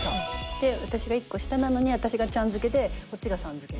で私が１個下なのに私がちゃん付けでこっちがさん付け。